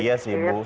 iya sih bu